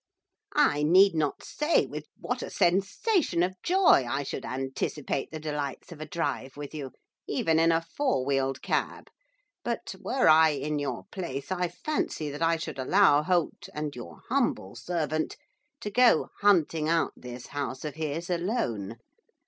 'I need not say with what a sensation of joy I should anticipate the delights of a drive with you, even in a four wheeled cab; but, were I in your place, I fancy that I should allow Holt and your humble servant to go hunting out this house of his alone.